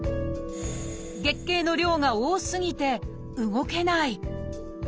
月経の量が多すぎて動けない。